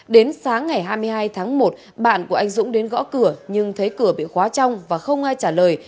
đến sáng ngày hai mươi hai tháng một bạn của anh dũng đến gõ cửa nhưng thấy cửa bị khóa trong và không ai trả lời